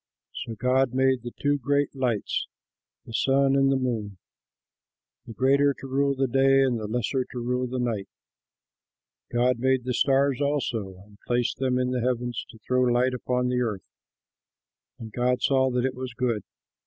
So God made the two great lights (the sun and the moon): the greater to rule the day and the lesser to rule the night. God made the stars also and placed them in the heavens to throw light upon the earth. And God saw that it was good.